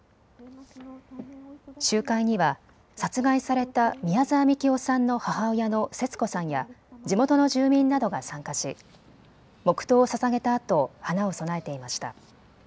集会には殺害された宮沢みきおさんの母親の節子さんや地元の住民などが参加し黙とうをささげたあと花を供えていました。